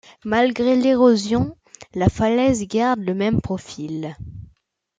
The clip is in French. Malgré l'érosion, la falaise garde le même profil.